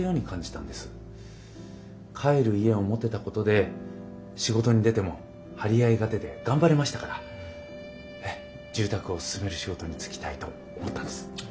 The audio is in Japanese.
帰る家を持てたことで仕事に出ても張り合いが出て頑張れましたから住宅を勧める仕事に就きたいと思ったんです。